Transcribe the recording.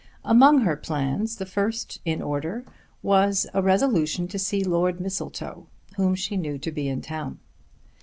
Among her plans the first in order was a resolution to see Lord Mistletoe whom she knew to be in town.